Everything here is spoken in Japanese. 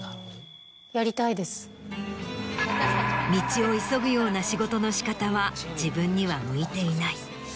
道を急ぐような仕事の仕方は自分には向いていない。